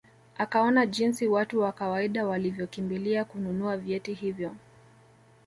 Akaona jinsi watu wa kawaida walivyokimbilia kununua vyeti hivyo